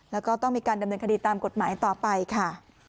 แล้วก็ต้องมีการดำเนินคดีตามกฎหมายต่อไปค่ะ